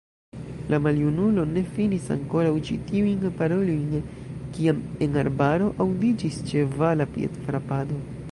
La maljunulo ne finis ankoraŭ ĉi tiujn parolojn, kiam en arbaro aŭdiĝis ĉevala piedfrapado.